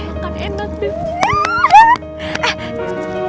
makan enak deh